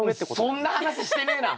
そんな話してねえな。